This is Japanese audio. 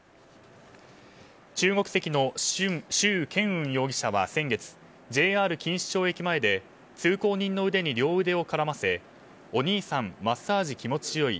中国籍のシュウ・ケンウン容疑者は先月ＪＲ錦糸町駅前で通行人の腕に両腕を絡ませ「お兄さんマッサージ気持ち良い。